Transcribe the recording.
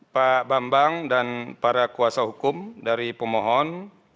pak bambang dan para kuasa hukum dari pemohon